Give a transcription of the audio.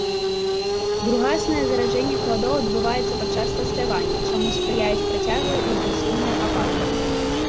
Другаснае заражэнне пладоў адбываецца падчас паспявання, чаму спрыяюць працяглыя і інтэнсіўныя ападкі.